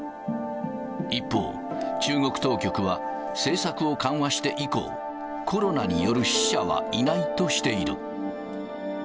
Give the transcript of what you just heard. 一方、中国当局は、政策を緩和して以降、コロナによる死者はいないとしている。